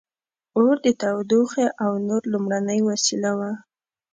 • اور د تودوخې او نور لومړنۍ وسیله وه.